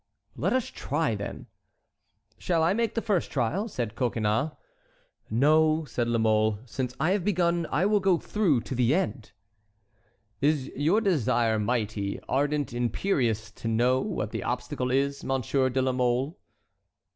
"Let us try, then." "Shall I make first trial?" said Coconnas. "No," said La Mole, "since I have begun, I will go through to the end." "Is your desire mighty, ardent, imperious to know what the obstacle is, Monsieur de la Mole?"